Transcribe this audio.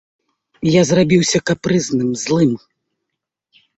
Я зрабіўся капрызным, злым.